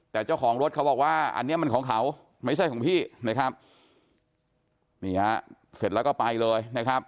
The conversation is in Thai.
แต่เจ้าของรถเขาบอกว่าอันนี้มันของเขาไม่ใช่ของพี่นะครับนี่ฮะเสร็จแล้วก็ไปเลยนะครับ